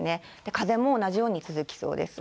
風も同じように続きそうです。